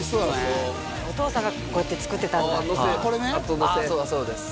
うまそうお父さんがこうやって作ってたんだこれねそうです